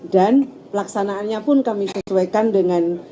dan pelaksanaannya pun kami sesuaikan dengan